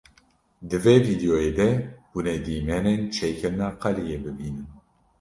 Di vê vîdyoyê de hûn ê dîmenên çêkirina qeliyê bibînin.